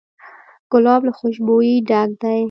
ګلاب له خوشبویۍ ډک دی.